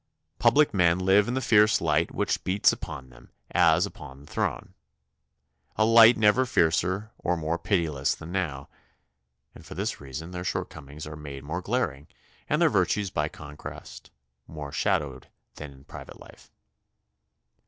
Public men live in the fierce light which beats upon them as upon the throne, a light never fiercer or more pitiless than now, and for this reason their shortcomings are made more glaring and their virtues by contrast more shadowed than in private life.